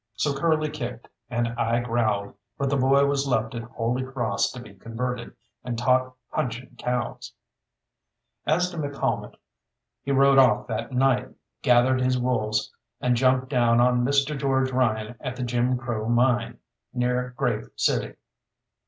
So Curly kicked, and I growled, but the boy was left at Holy Cross to be converted, and taught punching cows. As to McCalmont, he rode off that night, gathered his wolves, and jumped down on Mr. George Ryan at the Jim Crow Mine, near Grave City.